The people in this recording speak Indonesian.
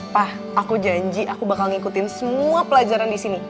pa aku janji aku bakal ngikutin semua pelajaran disini